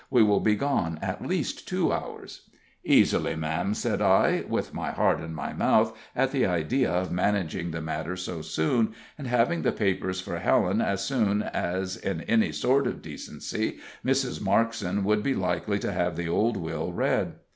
We will be gone at least two hours." "Easily, ma'am," said I, with my heart in my mouth at the idea of managing the matter so soon, and having the papers for Helen as soon as, in any sort of decency, Mrs. Markson would be likely to have the old will read.